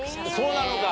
そうなのか。